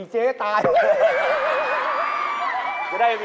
เฮ้ยพี่